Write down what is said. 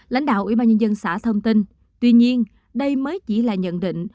lãnh đạo ủy ban nhân dân xã thông tin tuy nhiên đây mới chỉ là nhận định